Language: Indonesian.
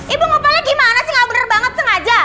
ibu ngomongnya gimana sih gak bener banget sengaja